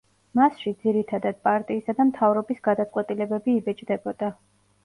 მასში, ძირითადად, პარტიისა და მთავრობის გადაწყვეტილებები იბეჭდებოდა.